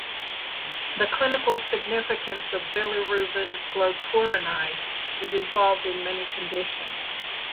The clinical significance of bilirubin glucuronide is involved in many conditions.